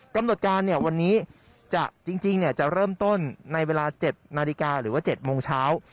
กำหนดการวันนี้จริงจะเริ่มต้นในเวลา๗นาฬิกาหรือว่า๗โมงเช้า